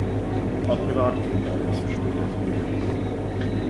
Auch privat gehen beide inzwischen getrennte Wege.